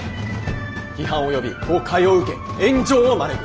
批判を呼び誤解を受け炎上を招く。